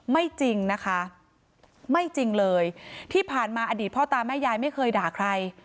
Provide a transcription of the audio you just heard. ไม่จริงนะคะไม่จริงเลยที่ผ่านมาอดีตพ่อตาแม่ยายไม่เคยด่าใคร